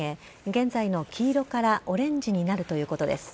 現在の黄色からオレンジになるということです。